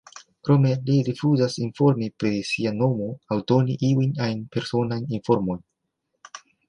Krome, li rifuzas informi pri sia nomo aŭ doni iujn ajn personajn informojn.